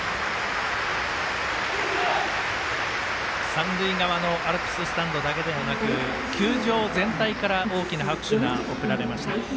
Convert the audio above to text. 三塁側のアルプススタンドだけではなく球場全体から大きな拍手が送られました。